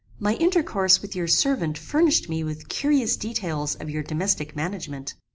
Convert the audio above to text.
My intercourse with your servant furnished me with curious details of your domestic management.